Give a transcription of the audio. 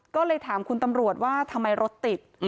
ก็เลยถามคุณตำรวจว่าทำไมรถติด